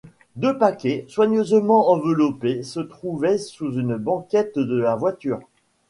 Deux paquets, soigneusement enveloppés, se trouvaient sous une banquette de la voiture.